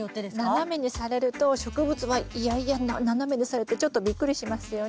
斜めにされると植物は嫌々斜めにされてちょっとびっくりしますよね。